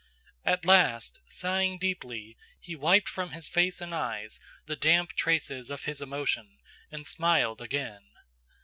At last, sighing deeply, he wiped from his face and eyes the damp traces of his emotion, and smiled again.